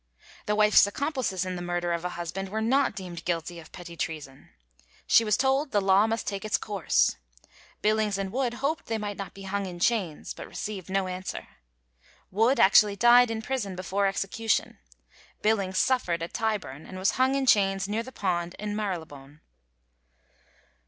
The wife's accomplices in the murder of a husband were not deemed guilty of petty treason. She was told the law must take its course. Billings and Wood hoped they might not be hung in chains, but received no answer. Wood actually died in prison before execution; Billings suffered at Tyburn, and was hung in chains near the pond in Marylebone.